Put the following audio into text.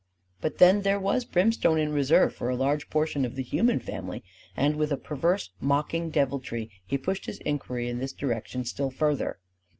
But then there was brimstone in reserve for a large portion of the human family; and with a perverse mocking deviltry he pushed his inquiry in this direction still farther.